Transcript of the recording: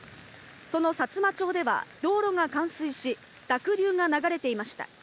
そのさつま町では道路が冠水し、濁流が流れていました。